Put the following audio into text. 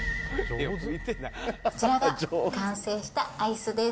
こちらが完成したアイスです。